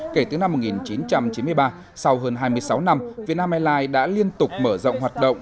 kể từ năm một nghìn chín trăm chín mươi ba sau hơn hai mươi sáu năm việt nam airlines đã liên tục mở rộng hoạt động